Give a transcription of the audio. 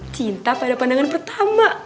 cinta pada pandangan pertama